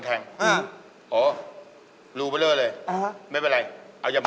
กลัวหมดเลย